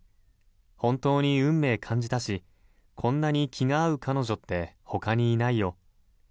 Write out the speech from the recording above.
本当に運命感じたしこんなに気が合う彼女って他にいないよ。